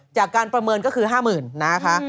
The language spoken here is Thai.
จากการประเมินก็คือ๕๐๐๐นะคะ